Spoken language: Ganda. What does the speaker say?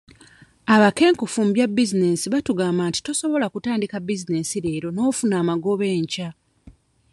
Abakenkufu mu bya bizinesi baatugamba nti tosobola kutandika bizinesi leero n'ofuna amagoba enkya.